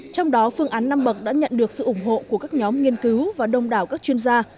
trong đó phương án năm bậc đã nhận được sự ủng hộ của các nhóm nghiên cứu và đông đảo các chuyên gia